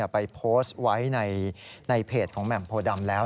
ไปโพสต์ไว้ในเพจของแหม่มโพดำแล้ว